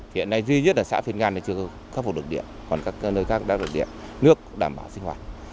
hiện nay duy nhất là xã phiên gan là chưa khắc phục được điện còn các nơi khác đã được điện nước đảm bảo sinh hoạt